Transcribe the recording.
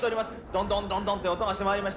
どんどんどんどんって音がしてまいります。